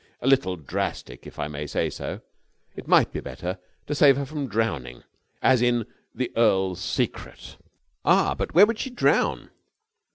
"A little drastic, if I may say so. It might be better to save her from drowning, as in 'The Earl's Secret'." "Ah, but where could she drown?"